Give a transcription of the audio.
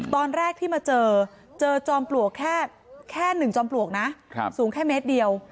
ตอนแรกที่มาเจอเจอจอมปลวกแค่๑จอมปลวกนะสูงแค่เมตรเดียว